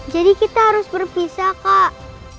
jadi kita harus berpisah kak